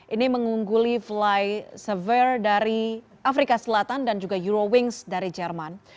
ini mengungguli fly severe dari afrika selatan dan juga euro wings dari jerman